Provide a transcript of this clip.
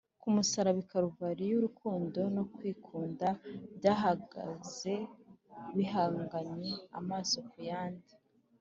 Ku musaraba i Kaluvari, urukundo no kwikunda byahagaze bihanganye amaso ku yandi.